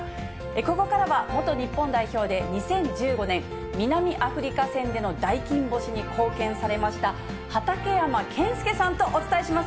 ここからは元日本代表で、２０１５年南アフリカ戦での大金星に貢献されました、畠山健介さんとお伝えします。